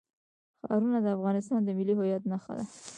ښارونه د افغانستان د ملي هویت نښه ده.